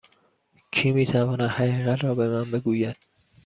کی می تواند حقیقت را به من بگوید؟